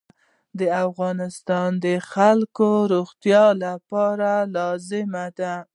دا د افغانستان د خلکو د روغتیا لپاره لازم دی.